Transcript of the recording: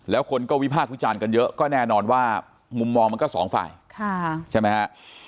แล้วคนก็วิพากษ์วิจารณ์กันเยอะก็แน่นอนว่ามุมมองมันก็สองฝ่ายใช่ไหมฮะ